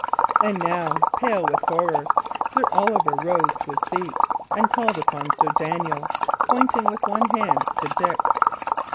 And now, pale with horror, Sir Oliver rose to his feet and called upon Sir Daniel, pointing with one hand to Dick.